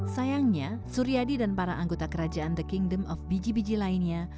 sayangnya suryadi dan para anggota kerajaan the kingdom of biji biji lainnya